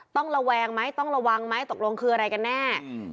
ระแวงไหมต้องระวังไหมตกลงคืออะไรกันแน่